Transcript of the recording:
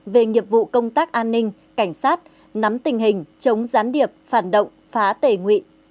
về nghiệp vụ công tác an ninh cảnh sát nắm tình hình chống gián điệp phản động phá tể nguyện